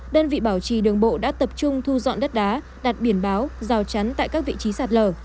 đơn vị bảo trì đường bộ đã tập trung thu dọn đất đá đặt biển báo rào chắn tại các vị trí sạt lở